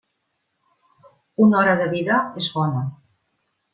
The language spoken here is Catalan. Una hora de vida, és bona.